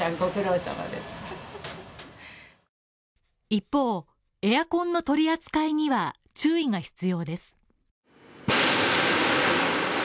一方、エアコンの取り扱いには注意が必要です。